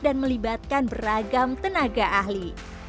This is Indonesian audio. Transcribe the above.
dan melibatkan beragam tenaga ahli